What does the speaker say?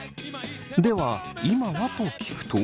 では「今は？」と聞くと。